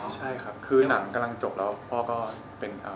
ชักหนังกำลังจบแล้วพ่อก็เป็นชักเลยครับ